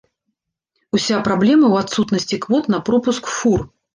Уся праблема ў адсутнасці квот на пропуск фур.